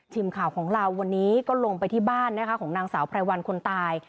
ทีมข่าวของเราวันนี้ก็ลงไปที่บ้านนะคะของนางสาวไพรวันคนตาย